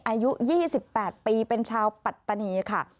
อายุ๒๘ปีเป็นชาวปัตตานีค่ะ